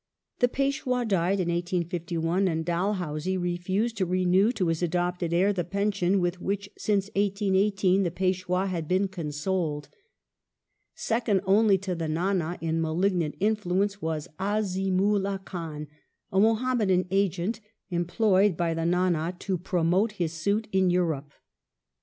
The Peshwa died 'in 1851, and Dalhousie refused to renew to his adopted heir the pension with which since 1818 the Peshwa had been consoled. Second only to the Ndnd in malignant influence was Azimula Khan, a Muhammadan agent employed by the Ndnd to promote his suit in Em ope.